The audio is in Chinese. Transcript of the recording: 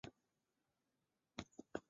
十分意外却没人回应